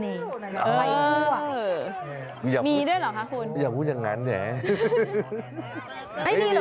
มีด้วยเหรอคะคุณอย่าพูดอย่างนั้นเนี่ย